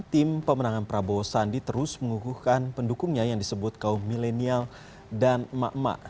tim pemenangan prabowo sandi terus mengukuhkan pendukungnya yang disebut kaum milenial dan emak emak